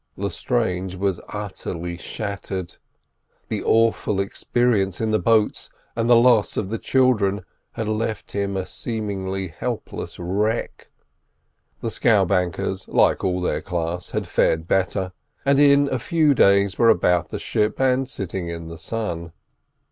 Lestrange was utterly shattered; the awful experience in the boats and the loss of the children had left him a seemingly helpless wreck. The scowbankers, like all their class, had fared better, and in a few days were about the ship and sitting in the sun.